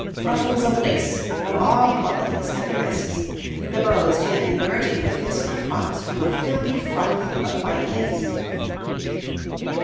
Ruffles of lace, of all qualities, at the wrists, the beau's hand emerging with his snuff box from a filmy froth of white lace.